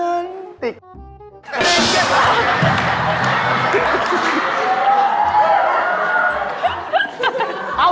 อ๊ะนะ